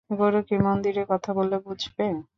গরু কী মন্দিরের কথা বললে বুঝবে?